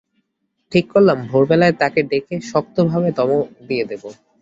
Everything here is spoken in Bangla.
ঠিক করলাম, ভোরবেলায় তাকে ডেকে শক্তভাবে ধমক দিয়ে দেব।